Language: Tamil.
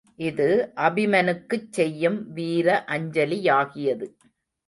இது அபிமனுக்குச் செய்யும் வீர அஞ்சலியாகியது.